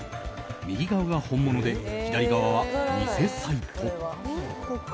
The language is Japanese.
右側が本物で、左側は偽サイト。